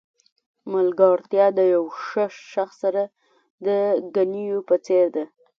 ملګرتیا د یو ښه شخص سره د ګنیو په څېر ده.